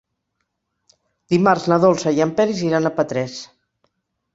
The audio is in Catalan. Dimarts na Dolça i en Peris iran a Petrés.